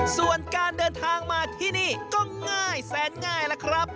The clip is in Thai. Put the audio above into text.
ส่วนการเดินทางมาที่นี่ก็ง่ายแสนง่ายล่ะครับ